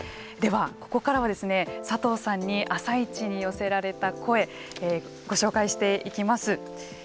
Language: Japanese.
では、ここからは佐藤さんに「あさイチ」に寄せられた声をご紹介していきます。